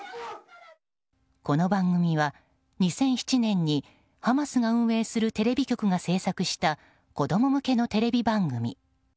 この番組は２００７年にハマスが運営するテレビ局が制作した子供向けのテレビ番組。